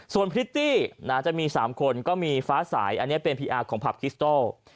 ส่วนพริตตี้จะมี๓คนก็มีฟ้าสายอันนี้เป็นพีอาร์ของผับคิสโต้